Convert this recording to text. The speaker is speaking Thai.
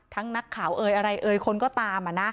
ทั้งนักข่าวอะไรคนก็ตาม